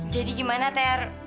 jadi gimana ter